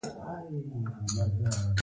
معیوب ملاتړ غواړي